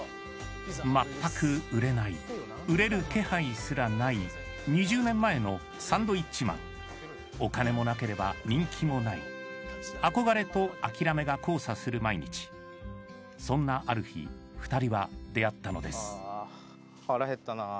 全く売れない売れる気配すらない２０年前のサンドウィッチマンお金もなければ人気もない憧れと諦めが交差する毎日２人は出合ったのです腹減ったな。